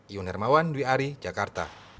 iwan hermawan dwi ari jakarta